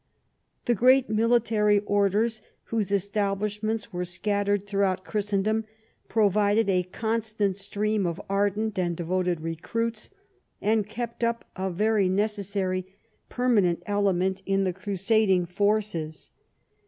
The great Military Orders, whose establishments were scattered throughout Christendom, provided a constant stream of ardent and devoted recruits, and kept up a very necessary permanent element in the crusading forces.